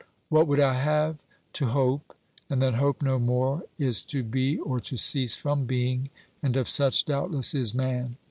What would I have ? To hope and then hope no more is to be or to cease from being, and of such doubtless is man.